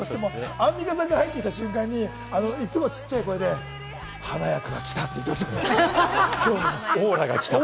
アンミカさんが入ってきた瞬間にいつもちっちゃい声で、オーラが来たって。